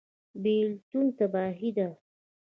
بیلتون تباهي ده